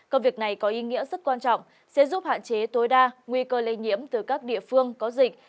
công việc này có ý nghĩa rất quan trọng sẽ giúp hạn chế tối đa nguy cơ lây nhiễm từ các địa phương có dịch